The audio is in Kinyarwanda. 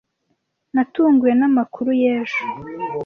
Natunguwe namakuru y'ejo.